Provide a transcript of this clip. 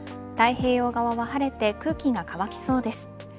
太平洋側は晴れて空気が乾きそうです。